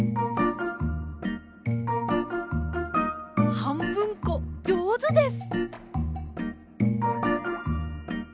はんぶんこじょうずです。